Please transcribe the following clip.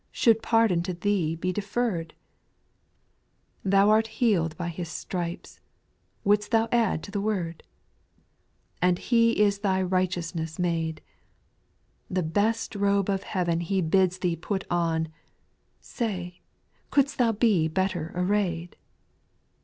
Should pardon to thee be deferred ? 5. Thou art healed by His stripes, (would'st thou add to the word ?) And He is thy righteousness made ; The best robe of heaven He bids thee put on ; Say, could'st thou be better arrayed